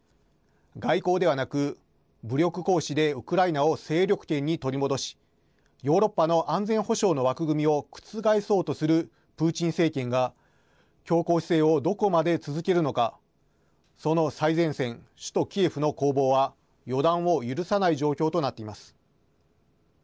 外交ではなく、武力行使でウクライナを勢力圏に取り戻しヨーロッパの安全保障の枠組みを覆そうとするプーチン政権が強硬姿勢をどこまで続けるのかその最前線、首都キエフの攻防は予断を許さない状況となっています。